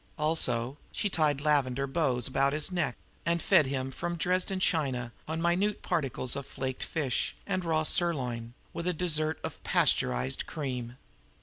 Also, she tied lavender bows about his neck, and fed him from Dresden china on minute particles of flaked fish and raw sirloin, with a dessert of pasteurized cream.